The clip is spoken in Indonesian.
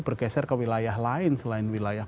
bergeser ke wilayah lain selain wilayah